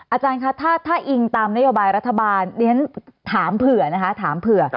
อาจารย์คะถ้าอิงตามนโยบายรัฐบาลถามเผื่อ